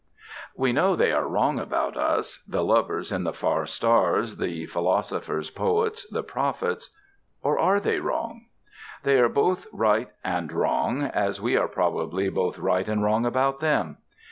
We know they are wrong about us, the lovers in the far stars, the philosophers, poets, the prophets ... or are they wrong? They are both right and wrong, as we are probably both right and wrong about them.